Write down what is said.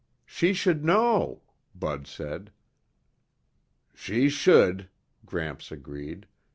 "She should know," Bud said. "She should," Gramps agreed.